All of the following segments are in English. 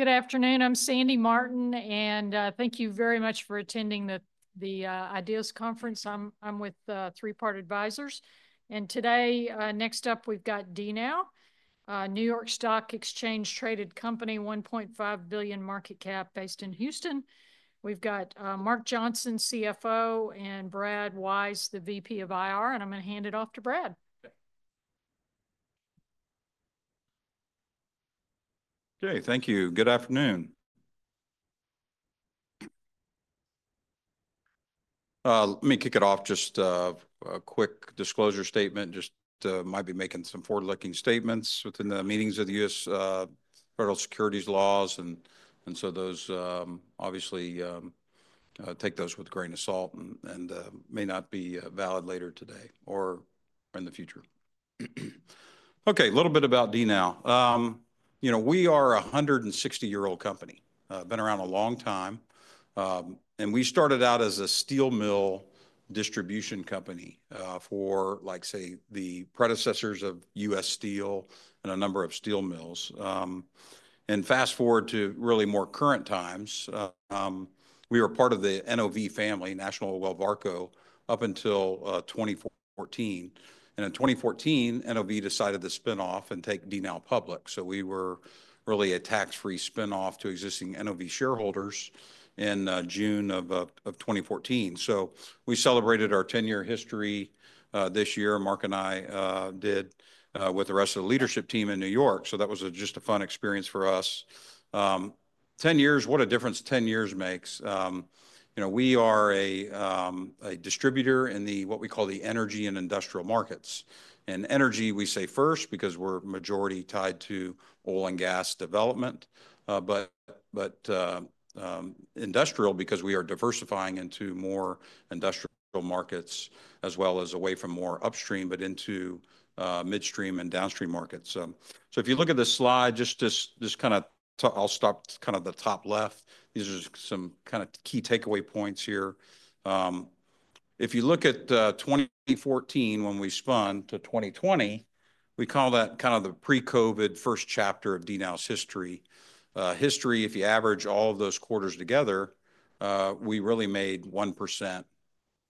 Good afternoon. I'm Sandy Martin, and thank you very much for attending the IDEAS Conference. I'm with Three Part Advisors. And today, next up, we've got DNOW, New York Stock Exchange traded company, $1.5 billion market cap, based in Houston. We've got Mark Johnson, CFO, and Brad Wise, the VP of IR, and I'm going to hand it off to Brad. Okay. Okay. Thank you. Good afternoon. Let me kick it off. Just a quick disclosure statement. We just might be making some forward-looking statements within the meaning of the U.S. Federal Securities Laws. And so those obviously take those with a grain of salt and may not be valid later today or in the future. Okay. A little bit about DNOW. You know, we are a 160-year-old company. Been around a long time. And we started out as a steel mill distribution company for, like, say, the predecessors of U.S. Steel and a number of steel mills. And fast forward to really more current times, we were part of the NOV family, National Oilwell Varco, up until 2014. And in 2014, NOV decided to spin off and take DNOW public. So we were really a tax-free spin-off to existing NOV shareholders in June of 2014. So we celebrated our 10-year history this year. Mark and I did with the rest of the leadership team in New York. So that was just a fun experience for us. 10 years, what a difference 10 years makes. You know, we are a distributor in what we call the energy and industrial markets. And energy, we say first because we're majority tied to oil and gas development, but industrial because we are diversifying into more industrial markets as well as away from more upstream, but into midstream and downstream markets. So if you look at this slide, I'll stop at the top left. These are some key takeaway points here. If you look at 2014, when we spun to 2020, we call that kind of the pre-COVID first chapter of DNOW's history. Historically, if you average all of those quarters together, we really made 1%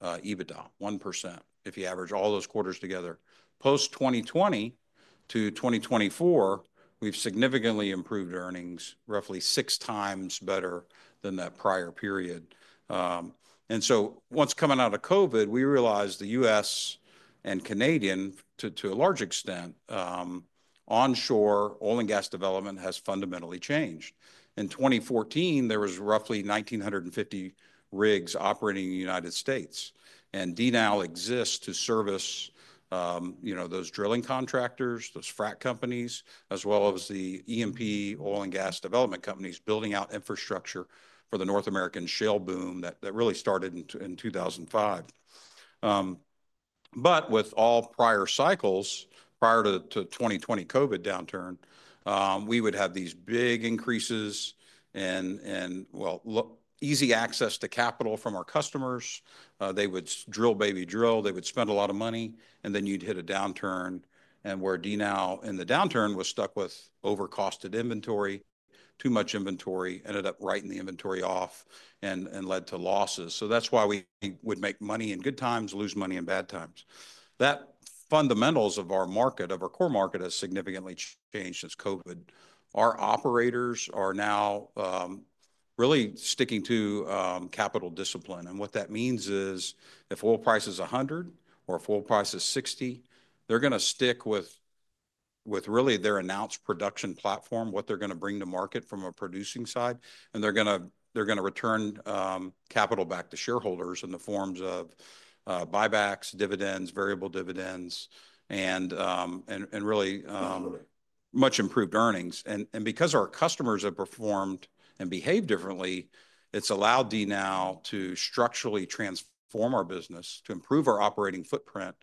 EBITDA, 1% if you average all those quarters together. Post-2020 to 2024, we've significantly improved earnings, roughly six times better than that prior period, and so once coming out of COVID, we realized the U.S. and Canadian, to a large extent, onshore oil and gas development has fundamentally changed. In 2014, there was roughly 1,950 rigs operating in the United States, and DNOW exists to service, you know, those drilling contractors, those frac companies, as well as the E&P oil and gas development companies building out infrastructure for the North American shale boom that really started in 2005, but with all prior cycles, prior to 2020 COVID downturn, we would have these big increases and, well, easy access to capital from our customers. They would drill, baby drill. They would spend a lot of money. Then you'd hit a downturn. Where DNOW in the downturn was stuck with overcosted inventory, too much inventory, ended up writing the inventory off and led to losses. That's why we would make money in good times, lose money in bad times. That fundamentals of our market, of our core market, has significantly changed since COVID. Our operators are now really sticking to capital discipline. What that means is if oil price is $100 or if oil price is $60, they're going to stick with really their announced production platform, what they're going to bring to market from a producing side. They're going to return capital back to shareholders in the forms of buybacks, dividends, variable dividends, and really much improved earnings. Because our customers have performed and behaved differently, it's allowed DNOW to structurally transform our business, to improve our operating footprint,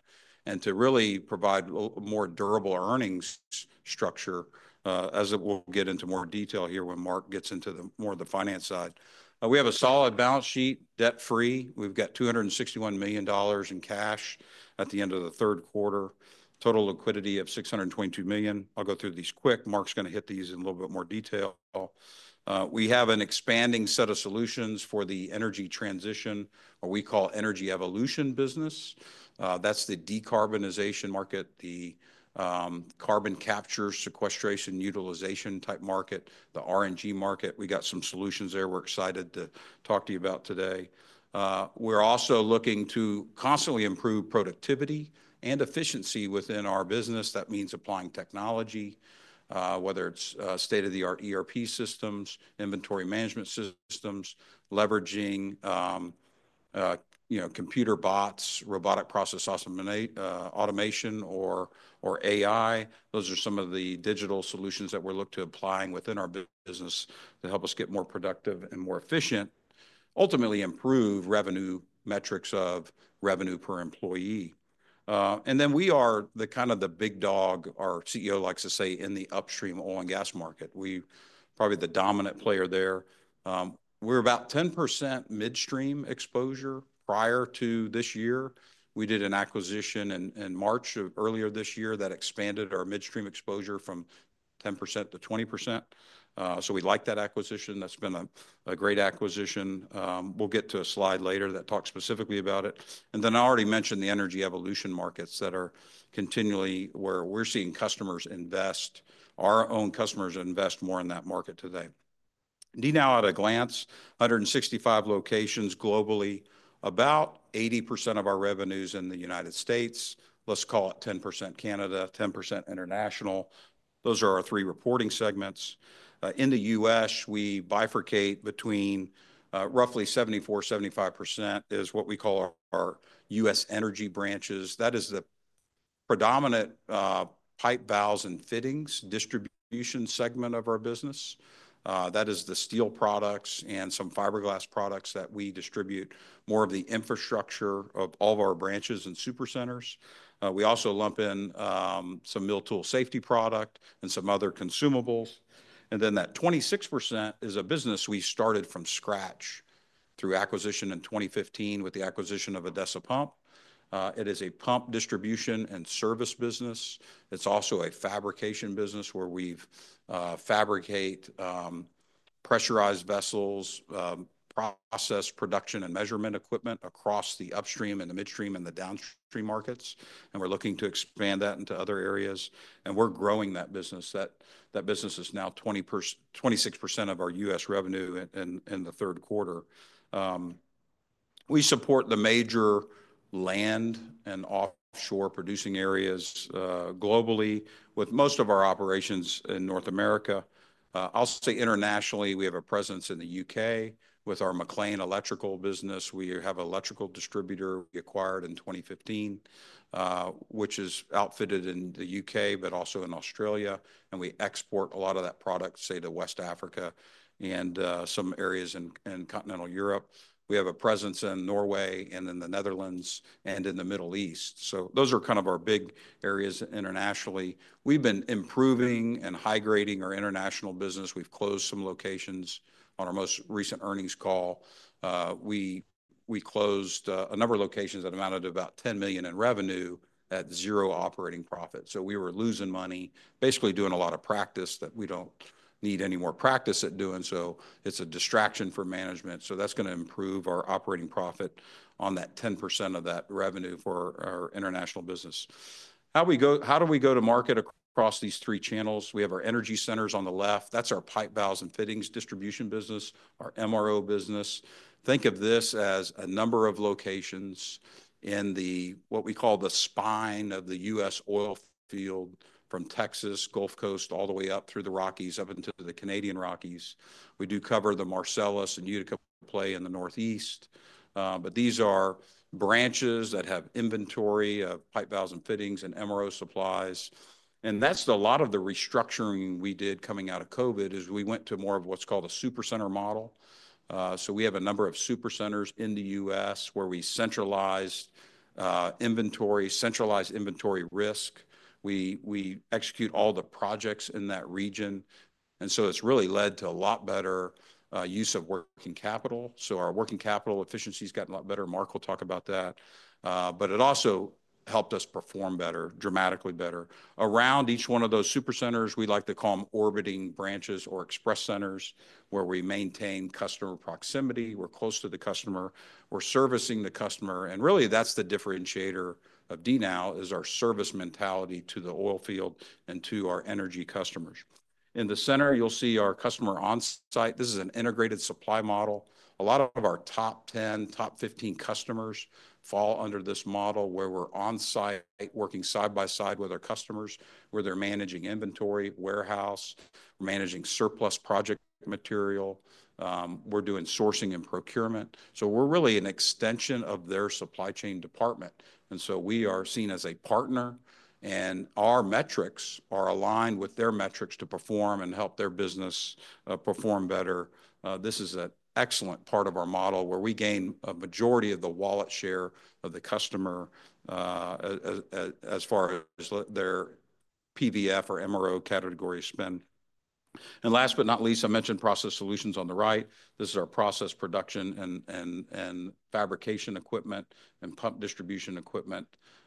and to really provide a more durable earnings structure as we'll get into more detail here when Mark gets into more of the finance side. We have a solid balance sheet, debt-free. We've got $261 million in cash at the end of the third quarter, total liquidity of $622 million. I'll go through these quick. Mark's going to hit these in a little bit more detail. We have an expanding set of solutions for the energy transition, what we call Energy Evolution business. That's the decarbonization market, the carbon capture, sequestration, utilization type market, the RNG market. We got some solutions there we're excited to talk to you about today. We're also looking to constantly improve productivity and efficiency within our business. That means applying technology, whether it's state-of-the-art ERP systems, inventory management systems, leveraging, you know, computer bots, robotic process automation, or AI. Those are some of the digital solutions that we're looking to apply within our business to help us get more productive and more efficient, ultimately improve revenue metrics of revenue per employee. And then we are the kind of the big dog, our CEO likes to say, in the upstream oil and gas market. We're probably the dominant player there. We're about 10% midstream exposure. Prior to this year, we did an acquisition in March of earlier this year that expanded our midstream exposure from 10%-20%. So we liked that acquisition. That's been a great acquisition. We'll get to a slide later that talks specifically about it. And then I already mentioned the Energy Evolution markets that are continually where we're seeing customers invest, our own customers invest more in that market today. DNOW at a glance: 165 locations globally, about 80% of our revenues in the United States. Let's call it 10% Canada, 10% international. Those are our three reporting segments. In the U.S., we bifurcate between roughly 74%, 75% is what we call our U.S. energy branches. That is the predominant pipe valves and fittings distribution segment of our business. That is the steel products and some fiberglass products that we distribute, more of the infrastructure of all of our branches and Supercenters. We also lump in some mill tool safety product and some other consumables. And then that 26% is a business we started from scratch through acquisition in 2015 with the acquisition of Odessa Pumps. It is a pump distribution and service business. It's also a fabrication business where we fabricate pressurized vessels, process production and measurement equipment across the upstream and the midstream and the downstream markets, and we're looking to expand that into other areas, and we're growing that business. That business is now 26% of our U.S. revenue in the third quarter. We support the major land and offshore producing areas globally with most of our operations in North America. I'll say internationally, we have a presence in the U.K. with our MacLean Electrical business. We have an electrical distributor we acquired in 2015, which is headquartered in the U.K., but also in Australia, and we export a lot of that product, say, to West Africa and some areas in continental Europe. We have a presence in Norway and in the Netherlands and in the Middle East. So those are kind of our big areas internationally. We've been improving and high-grading our international business. We've closed some locations. On our most recent earnings call, we closed a number of locations that amounted to about $10 million in revenue at zero operating profit. So we were losing money, basically doing a lot of practice that we don't need any more practice at doing. So it's a distraction for management. So that's going to improve our operating profit on that 10% of that revenue for our international business. How do we go to market across these three channels? We have our Energy Centers on the left. That's our pipe valves and fittings distribution business, our MRO business. Think of this as a number of locations in what we call the spine of the U.S. oil field from Texas, Gulf Coast, all the way up through the Rockies up into the Canadian Rockies. We do cover the Marcellus and Utica play in the Northeast. But these are branches that have inventory of pipe valves and fittings and MRO supplies. And that's a lot of the restructuring we did coming out of COVID is we went to more of what's called a supercenter model. So we have a number of supercenters in the U.S. where we centralized inventory, centralized inventory risk. We execute all the projects in that region. And so it's really led to a lot better use of working capital. So our working capital efficiency has gotten a lot better. Mark will talk about that. But it also helped us perform better, dramatically better. Around each one of those supercenters, we like to call them orbiting branches or express centers where we maintain customer proximity. We're close to the customer. We're servicing the customer. Really, that's the differentiator of DNOW is our service mentality to the oil field and to our energy customers. In the center, you'll see our customer on-site. This is an integrated supply model. A lot of our top 10, top 15 customers fall under this model where we're on-site working side by side with our customers where they're managing inventory, warehouse, managing surplus project material. We're doing sourcing and procurement. So we're really an extension of their supply chain department. And so we are seen as a partner. And our metrics are aligned with their metrics to perform and help their business perform better. This is an excellent part of our model where we gain a majority of the wallet share of the customer as far as their PVF or MRO category spend. And last but not least, I mentioned Process Solutions on the right. This is our process production and fabrication equipment and pump distribution equipment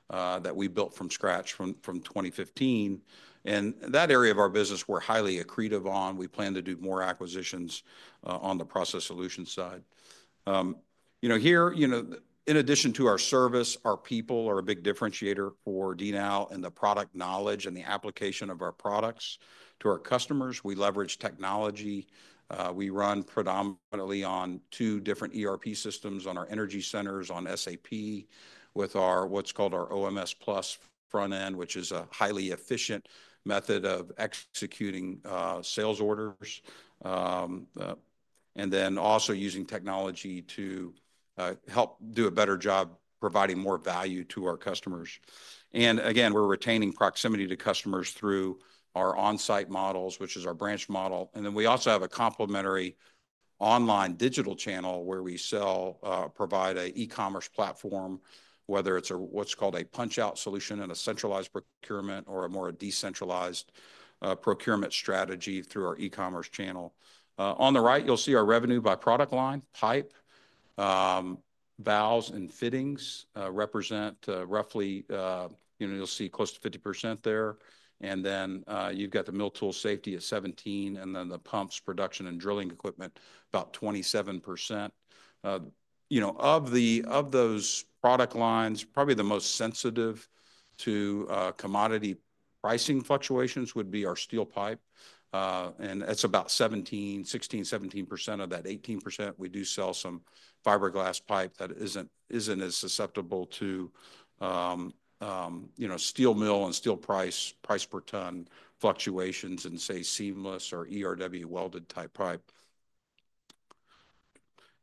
that we built from scratch from 2015. And that area of our business we're highly accretive on. We plan to do more acquisitions on the process solution side. You know, here, you know, in addition to our service, our people are a big differentiator for DNOW and the product knowledge and the application of our products to our customers. We leverage technology. We run predominantly on two different ERP systems on our Energy Centers on SAP with what's called our OMS+ front end, which is a highly efficient method of executing sales orders and then also using technology to help do a better job providing more value to our customers. And again, we're retaining proximity to customers through our on-site models, which is our branch model. And then we also have a complementary online digital channel where we sell, provide an e-commerce platform, whether it's what's called a punch-out solution and a centralized procurement or a more decentralized procurement strategy through our e-commerce channel. On the right, you'll see our revenue by product line. Pipe, valves, and fittings represent roughly, you know, you'll see close to 50% there. And then you've got the mill tool safety at 17%, and then the pumps, production, and drilling equipment about 27%. You know, of those product lines, probably the most sensitive to commodity pricing fluctuations would be our steel pipe. And that's about 16%-17% of that 18%. We do sell some fiberglass pipe that isn't as susceptible to, you know, steel mill and steel price per ton fluctuations and, say, seamless or ERW welded type pipe.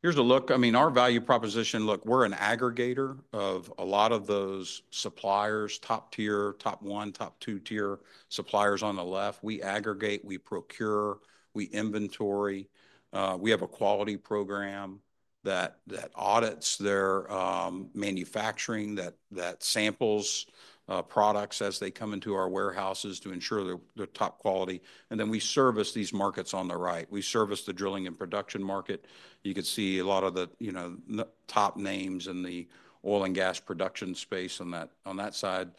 Here's a look. I mean, our value proposition, look, we're an aggregator of a lot of those suppliers, top tier, top one, top two tier suppliers on the left. We aggregate, we procure, we inventory. We have a quality program that audits their manufacturing, that samples products as they come into our warehouses to ensure they're top quality. And then we service these markets on the right. We service the drilling and production market. You can see a lot of the, you know, top names in the oil and gas production space on that side.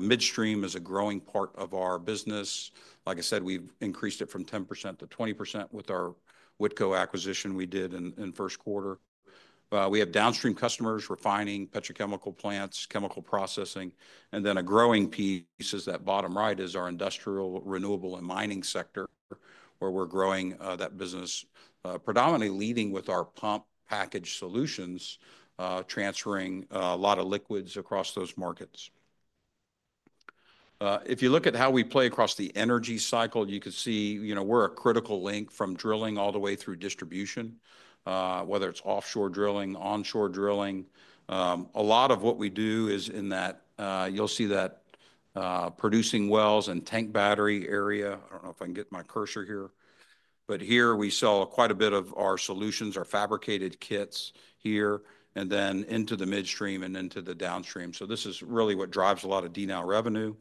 Midstream is a growing part of our business. Like I said, we've increased it from 10%-20% with our Whitco acquisition we did in first quarter. We have downstream customers refining, petrochemical plants, chemical processing. A growing piece is that bottom right is our industrial, renewable, and mining sector where we're growing that business, predominantly leading with our pump package solutions, transferring a lot of liquids across those markets. If you look at how we play across the energy cycle, you can see, you know, we're a critical link from drilling all the way through distribution, whether it's offshore drilling, onshore drilling. A lot of what we do is in that, you'll see that producing wells and tank battery area. I don't know if I can get my cursor here, but here we sell quite a bit of our solutions, our fabricated kits here, and then into the midstream and into the downstream, so this is really what drives a lot of DNOW revenue.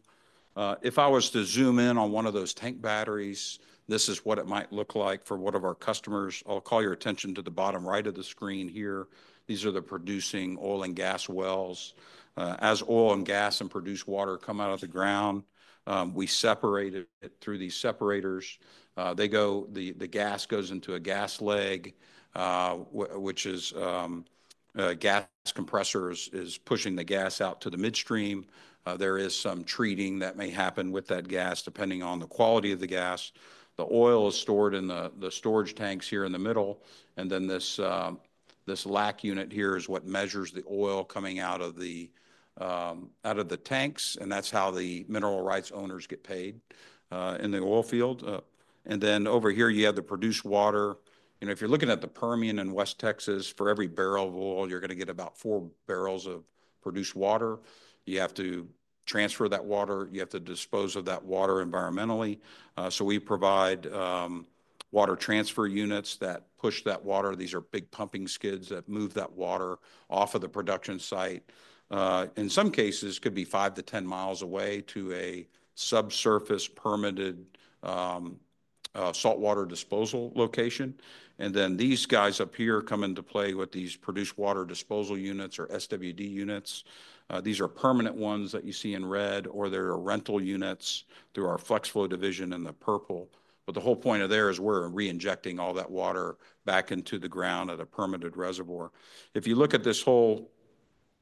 If I was to zoom in on one of those tank batteries, this is what it might look like for one of our customers. I'll call your attention to the bottom right of the screen here. These are the producing oil and gas wells. As oil and gas and produced water come out of the ground, we separate it through these separators. They go, the gas goes into a gas leg, which is gas compressors pushing the gas out to the midstream. There is some treating that may happen with that gas depending on the quality of the gas. The oil is stored in the storage tanks here in the middle. And then this LACT unit here is what measures the oil coming out of the tanks. And that's how the mineral rights owners get paid in the oil field. And then over here, you have the produced water. You know, if you're looking at the Permian in West Texas, for every barrel of oil, you're going to get about four barrels of produced water. You have to transfer that water. You have to dispose of that water environmentally. So we provide water transfer units that push that water. These are big pumping skids that move that water off of the production site. In some cases, it could be 5-10 miles away to a subsurface permitted saltwater disposal location. And then these guys up here come into play with these produced water disposal units or SWD units. These are permanent ones that you see in red, or they're rental units through our FlexFlow division in the purple. But the whole point of there is we're reinjecting all that water back into the ground at a permitted reservoir. If you look at this whole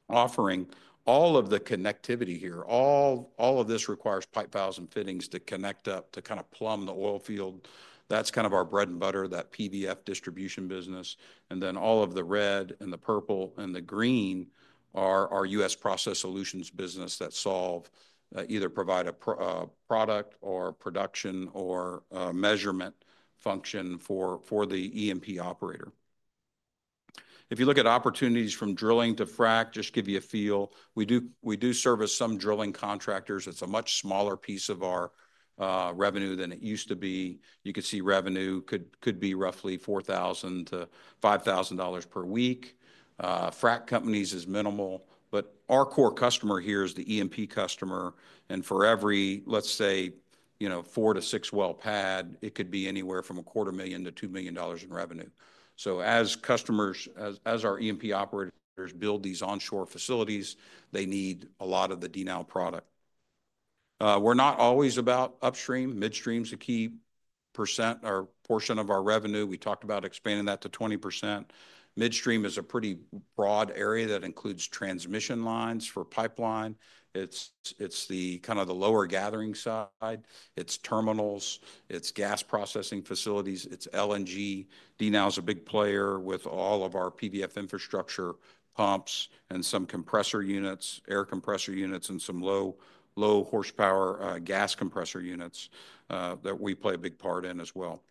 offering, all of the connectivity here, all of this requires pipe valves and fittings to connect up to kind of plumb the oil field. That's kind of our bread and butter, that PVF distribution business. And then all of the red and the purple and the green are our U.S. Process Solutions business that solve either provide a product or production or measurement function for the E&P operator. If you look at opportunities from drilling to frac, just to give you a feel, we do service some drilling contractors. It's a much smaller piece of our revenue than it used to be. You can see revenue could be roughly $4,000-$5,000 per week. Frac companies is minimal. But our core customer here is the E&P customer. For every, let's say, you know, four to six well pad, it could be anywhere from $250,000-$2 million in revenue. As customers, as our E&P operators build these onshore facilities, they need a lot of the DNOW product. We're not always about upstream. Midstream's a key percent or portion of our revenue. We talked about expanding that to 20%. Midstream is a pretty broad area that includes transmission lines for pipeline. It's the kind of the lower gathering side. It's terminals. It's gas processing facilities. It's LNG. DNOW is a big player with all of our PVF infrastructure pumps and some compressor units, air compressor units, and some low horsepower gas compressor units that we play a big part in as well.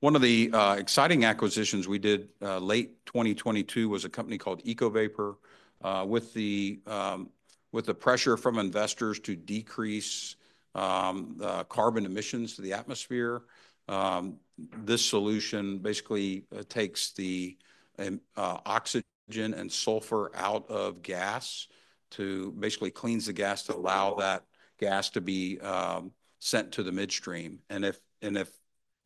One of the exciting acquisitions we did late 2022 was a company called EcoVapor. With the pressure from investors to decrease carbon emissions to the atmosphere, this solution basically takes the oxygen and sulfur out of gas to basically cleanse the gas to allow that gas to be sent to the midstream. If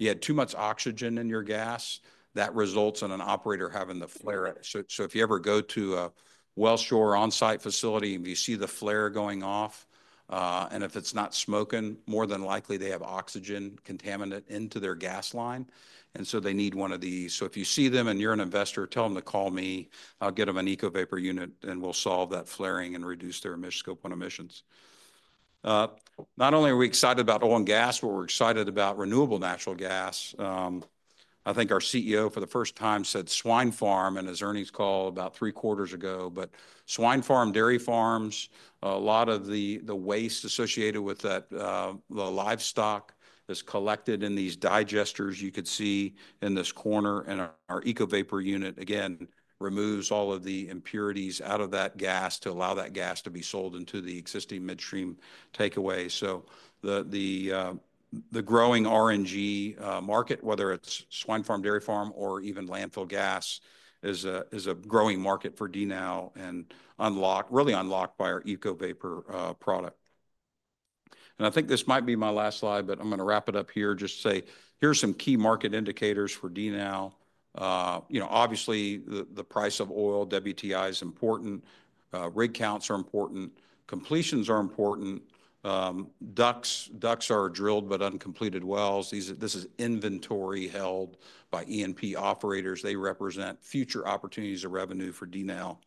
you had too much oxygen in your gas, that results in an operator having the flare. If you ever go to a wellhead onsite facility and you see the flare going off, and if it's not smoking, more than likely they have oxygen contamination in their gas line. They need one of these. If you see them and you're an investor, tell them to call me. I'll get them an EcoVapor unit and we'll solve that flaring and reduce their Scope 1 emissions. Not only are we excited about oil and gas, but we're excited about renewable natural gas. I think our CEO for the first time said swine farm in his earnings call about three quarters ago. But swine farm, dairy farms, a lot of the waste associated with that, the livestock is collected in these digesters you could see in this corner. And our EcoVapor unit, again, removes all of the impurities out of that gas to allow that gas to be sold into the existing midstream takeaway. So the growing RNG market, whether it's swine farm, dairy farm, or even landfill gas, is a growing market for DNOW and really unlocked by our EcoVapor product. And I think this might be my last slide, but I'm going to wrap it up here just to say, here's some key market indicators for DNOW. You know, obviously the price of oil, WTI is important. Rig counts are important. Completions are important. DUCs are drilled but uncompleted wells. This is inventory held by E&P operators. They represent future opportunities of revenue for DNOW.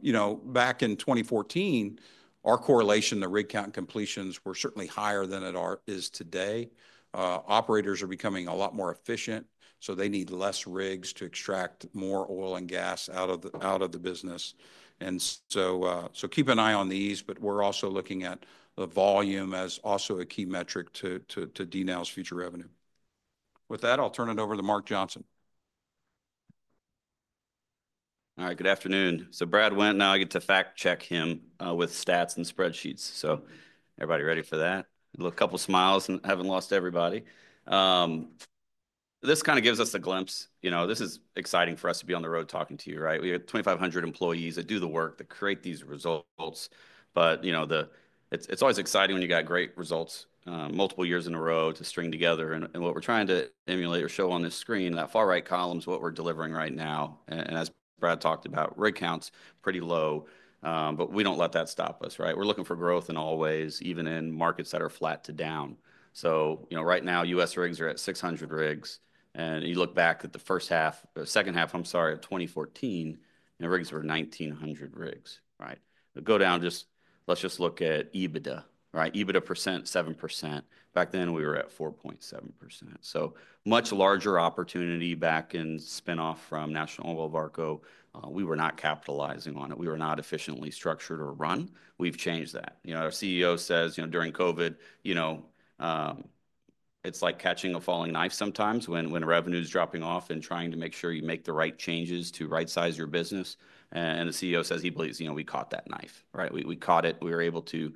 You know, back in 2014, our correlation, the rig count completions, were certainly higher than it is today. Operators are becoming a lot more efficient, so they need less rigs to extract more oil and gas out of the business, and so keep an eye on these, but we're also looking at the volume as also a key metric to DNOW's future revenue. With that, I'll turn it over to Mark Johnson. All right, good afternoon, so Brad went, now I get to fact-check him with stats and spreadsheets, so everybody ready for that? A couple of smiles and haven't lost everybody. This kind of gives us a glimpse. You know, this is exciting for us to be on the road talking to you, right? We have 2,500 employees that do the work that create these results. But, you know, it's always exciting when you got great results multiple years in a row to string together. And what we're trying to emulate or show on this screen, that far right column is what we're delivering right now. And as Brad talked about, rig counts pretty low, but we don't let that stop us, right? We're looking for growth in all ways, even in markets that are flat to down. So, you know, right now, U.S. rigs are at 600 rigs. And you look back at the first half, second half, I'm sorry, of 2014, and rigs were 1,900 rigs, right? Go down, just let's look at EBITDA, right? EBITDA percent, 7%. Back then we were at 4.7%. So much larger opportunity back in spinoff from National Oilwell Varco. We were not capitalizing on it. We were not efficiently structured or run. We've changed that. You know, our CEO says, you know, during COVID, you know, it's like catching a falling knife sometimes when revenue is dropping off and trying to make sure you make the right changes to right-size your business, and the CEO says he believes, you know, we caught that knife, right? We caught it. We were able to,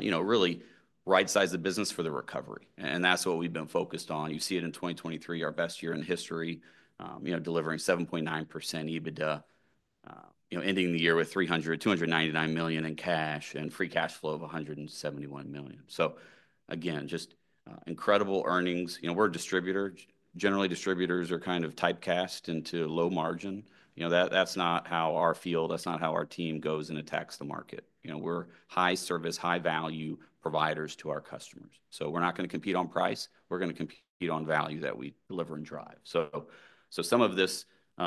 you know, really right-size the business for the recovery, and that's what we've been focused on. You see it in 2023, our best year in history, you know, delivering 7.9% EBITDA, you know, ending the year with $399 million in cash and free cash flow of $171 million, so again, just incredible earnings. You know, we're a distributor. Generally, distributors are kind of typecast into low margin. You know, that's not how our field, that's not how our team goes and attacks the market. You know, we're high service, high value providers to our customers. So we're not going to compete on price. We're going to compete on value that we deliver and drive. So some of this, you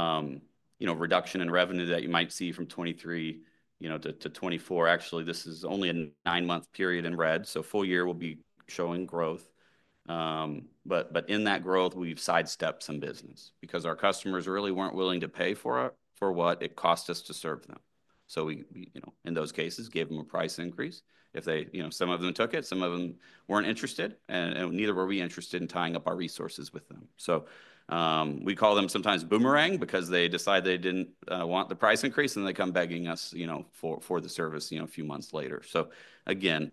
know, reduction in revenue that you might see from 2023, you know, to 2024, actually, this is only a nine-month period in red. So full year will be showing growth. But in that growth, we've sidestepped some business because our customers really weren't willing to pay for what it cost us to serve them. So we, you know, in those cases, gave them a price increase. If they, you know, some of them took it, some of them weren't interested, and neither were we interested in tying up our resources with them. So we call them sometimes boomerang because they decide they didn't want the price increase, and they come begging us, you know, for the service, you know, a few months later. So again,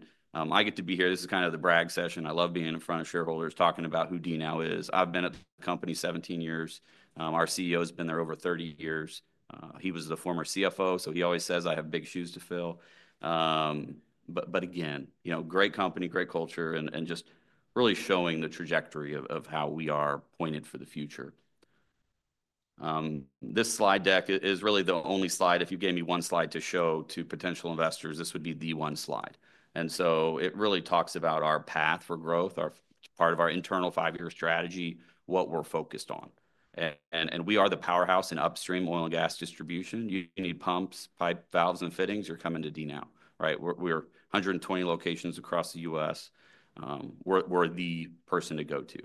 I get to be here. This is kind of the brag session. I love being in front of shareholders talking about who DNOW is. I've been at the company 17 years. Our CEO has been there over 30 years. He was the former CFO, so he always says, "I have big shoes to fill." But again, you know, great company, great culture, and just really showing the trajectory of how we are pointed for the future. This slide deck is really the only slide. If you gave me one slide to show to potential investors, this would be the one slide. It really talks about our path for growth, part of our internal five-year strategy, what we're focused on. We are the powerhouse in upstream oil and gas distribution. You need pumps, pipe valves, and fittings, you're coming to DNOW, right? We're 120 locations across the U.S. We're the person to go to.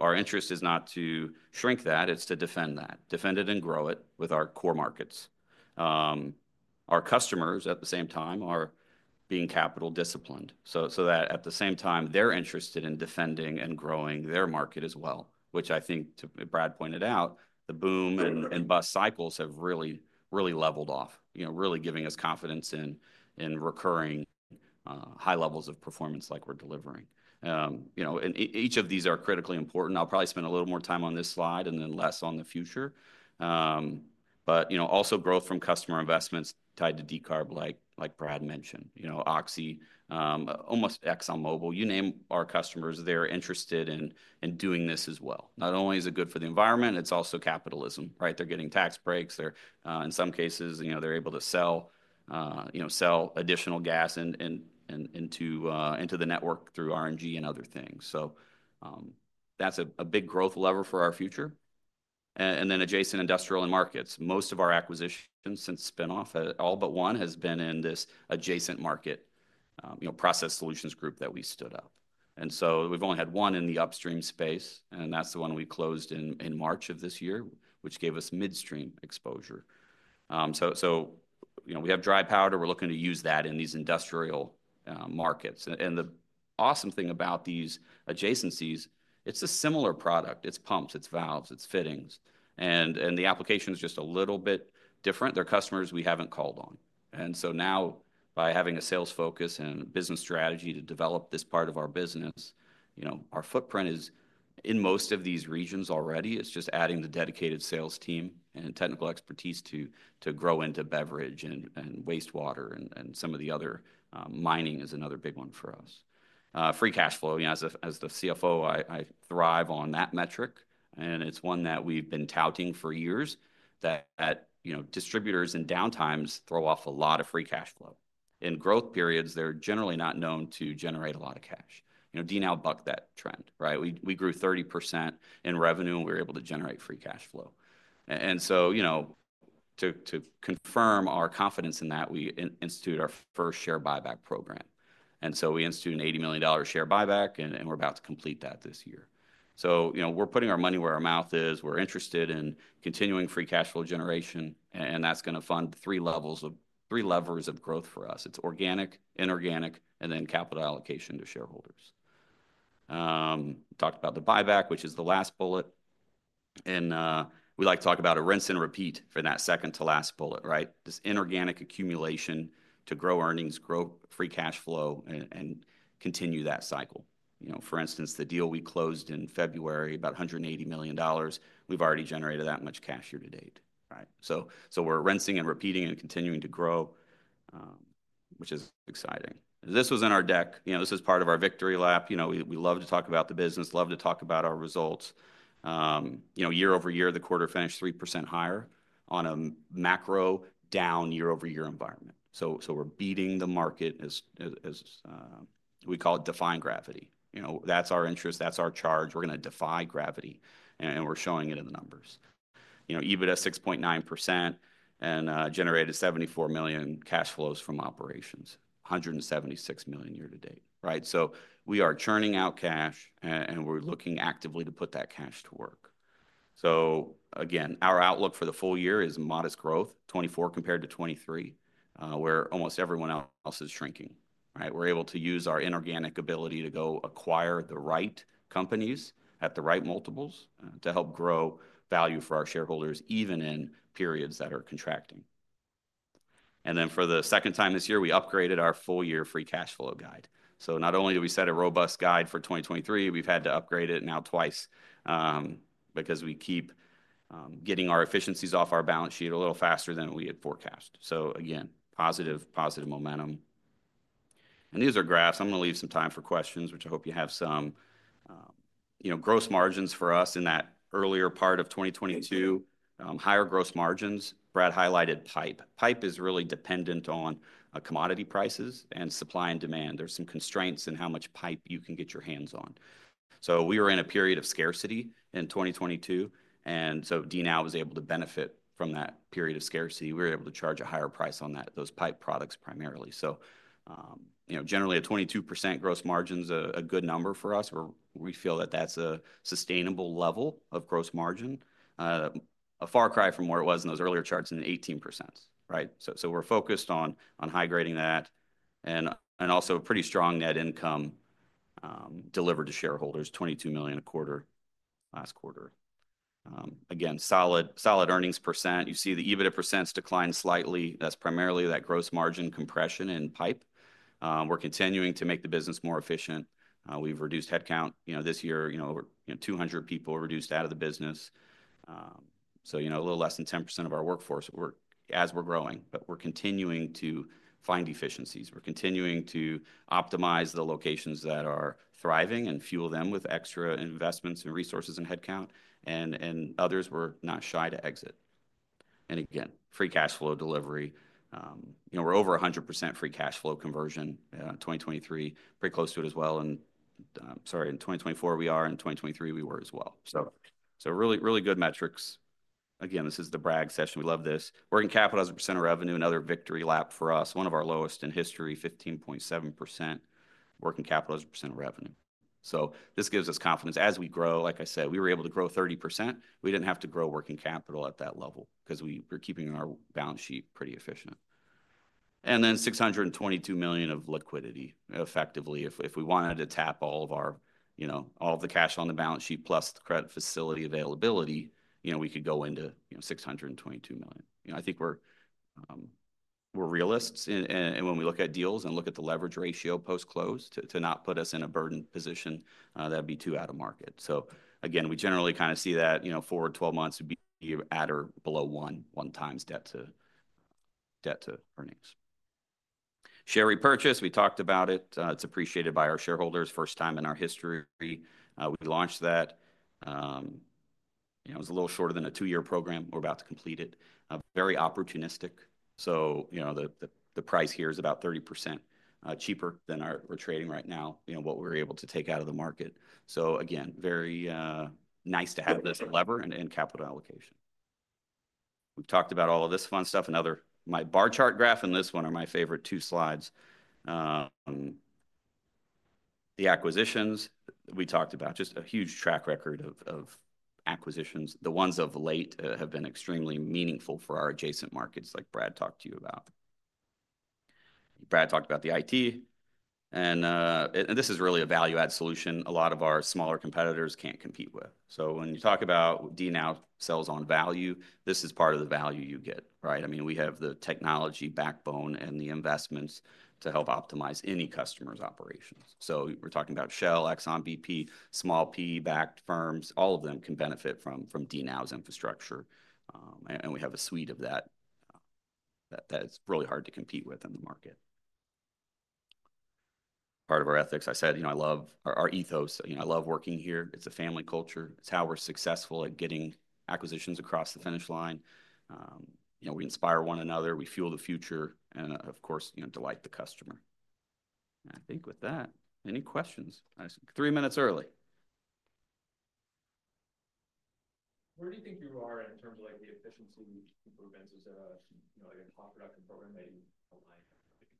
Our interest is not to shrink that. It's to defend that. Defend it and grow it with our core markets. Our customers at the same time are being capital disciplined so that at the same time, they're interested in defending and growing their market as well, which I think, as Brad pointed out, the boom and bust cycles have really, really leveled off, you know, really giving us confidence in recurring high levels of performance like we're delivering. You know, each of these are critically important. I'll probably spend a little more time on this slide and then less on the future. But, you know, also growth from customer investments tied to decarb, like Brad mentioned, you know, Oxy, as well as ExxonMobil, you name our customers, they're interested in doing this as well. Not only is it good for the environment, it's also capitalism, right? They're getting tax breaks. In some cases, you know, they're able to sell, you know, sell additional gas into the network through R&G and other things. So that's a big growth lever for our future. And then adjacent industrial markets. Most of our acquisitions since spinoff, all but one, has been in this adjacent market, you know, process solutions group that we stood up. And so we've only had one in the upstream space, and that's the one we closed in March of this year, which gave us midstream exposure. So, you know, we have dry powder. We're looking to use that in these industrial markets. And the awesome thing about these adjacencies, it's a similar product. It's pumps, it's valves, it's fittings. And the application is just a little bit different. They're customers we haven't called on. And so now, by having a sales focus and business strategy to develop this part of our business, you know, our footprint is in most of these regions already. It's just adding the dedicated sales team and technical expertise to grow into beverage and wastewater and some of the other mining is another big one for us. Free cash flow, you know, as the CFO, I thrive on that metric. And it's one that we've been touting for years that, you know, distributors in downtimes throw off a lot of free cash flow. In growth periods, they're generally not known to generate a lot of cash. You know, DNOW bucked that trend, right? We grew 30% in revenue, and we were able to generate free cash flow. You know, to confirm our confidence in that, we instituted our first share buyback program. We instituted an $80 million share buyback, and we're about to complete that this year. You know, we're putting our money where our mouth is. We're interested in continuing free cash flow generation, and that's going to fund three levels of three levers of growth for us. It's organic, inorganic, and then capital allocation to shareholders. Talked about the buyback, which is the last bullet. We like to talk about a rinse and repeat for that second to last bullet, right? This inorganic accumulation to grow earnings, grow free cash flow, and continue that cycle. You know, for instance, the deal we closed in February, about $180 million, we've already generated that much cash year to date, right? So we're rinsing and repeating and continuing to grow, which is exciting. This was in our deck. You know, this is part of our victory lap. You know, we love to talk about the business, love to talk about our results. You know, year over year, the quarter finished 3% higher on a macro down year over year environment. So we're beating the market as we call it defying gravity. You know, that's our interest. That's our charge. We're going to defy gravity, and we're showing it in the numbers. You know, EBITDA 6.9% and generated $74 million cash flows from operations, $176 million year to date, right? So we are churning out cash, and we're looking actively to put that cash to work. So again, our outlook for the full year is modest growth, 2024 compared to 2023, where almost everyone else is shrinking, right? We're able to use our inorganic ability to go acquire the right companies at the right multiples to help grow value for our shareholders, even in periods that are contracting. And then for the second time this year, we upgraded our full year free cash flow guide. So not only did we set a robust guide for 2023, we've had to upgrade it now twice because we keep getting our efficiencies off our balance sheet a little faster than we had forecast. So again, positive, positive momentum. And these are graphs. I'm going to leave some time for questions, which I hope you have some. You know, gross margins for us in that earlier part of 2022, higher gross margins. Brad highlighted pipe. Pipe is really dependent on commodity prices and supply and demand. There's some constraints in how much pipe you can get your hands on. So we were in a period of scarcity in 2022. And so DNOW was able to benefit from that period of scarcity. We were able to charge a higher price on those pipe products primarily. So, you know, generally a 22% gross margin is a good number for us. We feel that that's a sustainable level of gross margin, a far cry from where it was in those earlier charts in the 18%, right? So we're focused on high grading that and also a pretty strong net income delivered to shareholders, $22 million a quarter, last quarter. Again, solid earnings percent. You see the EBITDA percents declined slightly. That's primarily that gross margin compression in pipe. We're continuing to make the business more efficient. We've reduced headcount, you know, this year, you know, 200 people reduced out of the business, so you know, a little less than 10% of our workforce as we're growing, but we're continuing to find efficiencies. We're continuing to optimize the locations that are thriving and fuel them with extra investments and resources and headcount, and others, we're not shy to exit, and again, free cash flow delivery. You know, we're over 100% free cash flow conversion in 2023, pretty close to it as well, and sorry, in 2024 we are, in 2023 we were as well, so really, really good metrics. Again, this is the brag session. We love this: working capital as a percent of revenue, another victory lap for us, one of our lowest in history, 15.7% working capital as a percent of revenue, so this gives us confidence as we grow. Like I said, we were able to grow 30%. We didn't have to grow working capital at that level because we're keeping our balance sheet pretty efficient. And then $622 million of liquidity effectively. If we wanted to tap all of our, you know, all of the cash on the balance sheet plus the credit facility availability, you know, we could go into, you know, $622 million. You know, I think we're realists. And when we look at deals and look at the leverage ratio post-close to not put us in a burdened position, that'd be too out of market. So again, we generally kind of see that, you know, forward 12 months would be at or below one times debt to earnings. Share repurchase, we talked about it. It's appreciated by our shareholders first time in our history. We launched that. You know, it was a little shorter than a two-year program. We're about to complete it. Very opportunistic. So, you know, the price here is about 30% cheaper than we're trading right now, you know, what we're able to take out of the market. So again, very nice to have this lever and capital allocation. We've talked about all of this fun stuff and other. My bar chart graph and this one are my favorite two slides. The acquisitions we talked about, just a huge track record of acquisitions. The ones of late have been extremely meaningful for our adjacent markets like Brad talked to you about. Brad talked about the IT. And this is really a value-add solution a lot of our smaller competitors can't compete with. So when you talk about DNOW sells on value, this is part of the value you get, right? I mean, we have the technology backbone and the investments to help optimize any customer's operations. So we're talking about Shell, Exxon, BP, small PE-backed firms. All of them can benefit from DNOW's infrastructure. And we have a suite of that that's really hard to compete with in the market. Part of our ethics, I said, you know, I love our ethos. You know, I love working here. It's a family culture. It's how we're successful at getting acquisitions across the finish line. You know, we inspire one another. We fuel the future and, of course, you know, delight the customer. I think with that, any questions? Three minutes early. Where do you think you are in terms of like the efficiency improvements as a, you know, like a cost production program that you align to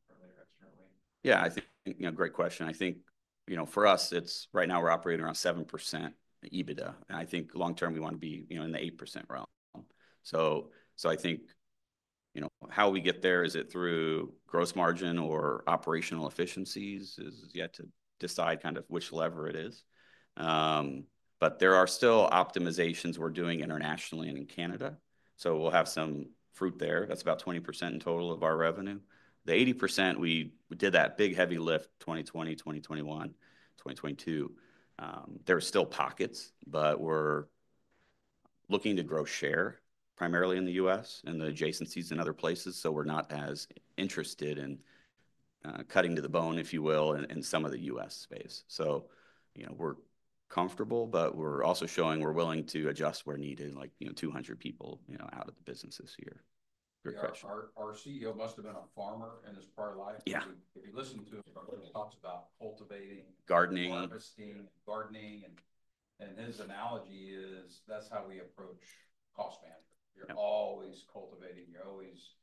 currently or externally? Yeah, I think, you know, great question. I think, you know, for us, it's right now we're operating around 7% EBITDA. And I think long term we want to be, you know, in the 8% realm. So I think, you know, how we get there is it through gross margin or operational efficiencies is yet to decide kind of which lever it is. But there are still optimizations we're doing internationally and in Canada. So we'll have some fruit there. That's about 20% in total of our revenue. The 80% we did that big heavy lift 2020, 2021, 2022. There are still pockets, but we're looking to grow share primarily in the U.S. and the adjacencies in other places. So we're not as interested in cutting to the bone, if you will, in some of the U.S. space. So, you know, we're comfortable, but we're also showing we're willing to adjust where needed, like, you know, 200 people, you know, out of the business this year. Great question. Our CEO must have been a farmer in his prior life. Yeah. If you listen to him, he talks about cultivating, gardening, harvesting, gardening. And his analogy is that's how we approach cost management. You're always cultivating. You're always,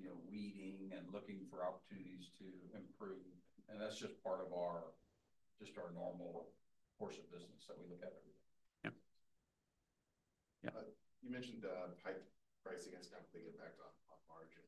you know, weeding and looking for opportunities to improve. And that's just part of our normal course of business that we look at every day. Yeah. Yeah. You mentioned pipe pricing has a complete impact on margins.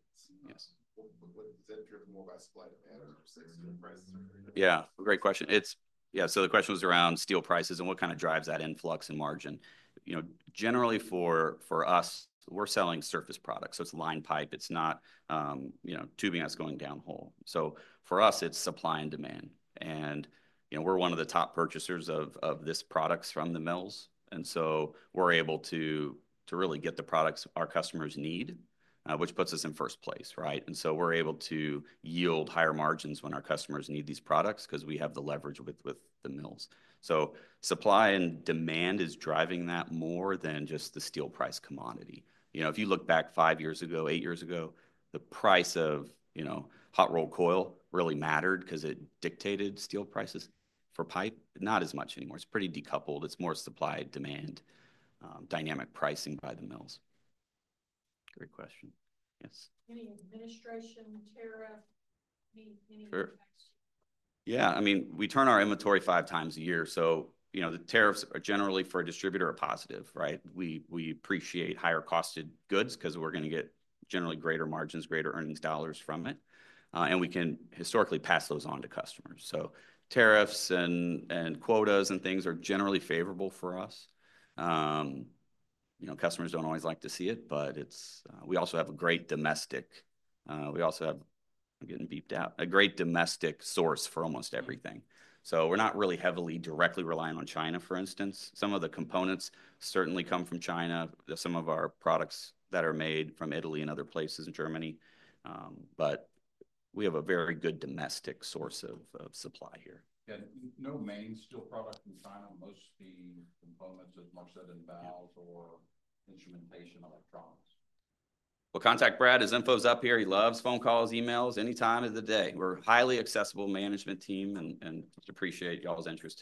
Yes. What is that driven more by supply demand or steel prices? Yeah. Great question. It's, yeah, so the question was around steel prices and what kind of drives that influx in margin. You know, generally for us, we're selling surface products. So it's line pipe. It's not, you know, tubing that's going downhole. So for us, it's supply and demand. And, you know, we're one of the top purchasers of these products from the mills. And so we're able to really get the products our customers need, which puts us in first place, right? And so we're able to yield higher margins when our customers need these products because we have the leverage with the mills. So supply and demand is driving that more than just the steel price commodity. You know, if you look back five years ago, eight years ago, the price of, you know, Hot Rolled Coil really mattered because it dictated steel prices for pipe. Not as much anymore. It's pretty decoupled. It's more supply demand dynamic pricing by the mills. Great question. Yes. Any administration tariff, any effects? Yeah. I mean, we turn our inventory five times a year. So, you know, the tariffs are generally for a distributor are positive, right? We appreciate higher costed goods because we're going to get generally greater margins, greater earnings dollars from it. And we can historically pass those on to customers. So tariffs and quotas and things are generally favorable for us. You know, customers don't always like to see it, but it's, we also have a great domestic, we also have, I'm getting beeped out, a great domestic source for almost everything. So we're not really heavily directly relying on China, for instance. Some of the components certainly come from China. Some of our products that are made from Italy and other places in Germany. But we have a very good domestic source of supply here. Yeah. No main steel product in China. Most of the components, as Mark said, in valves or instrumentation electronics. Contact Brad, as info's up here. He loves phone calls, emails, anytime of the day. We're a highly accessible management team and just appreciate y'all's interest.